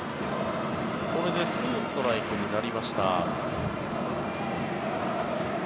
これで２ストライクになりました。